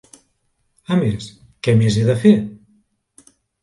A més, què més he de fer?